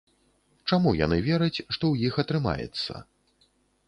Чаму яны вераць, што ў іх атрымаецца?